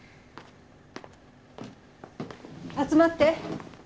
集まって。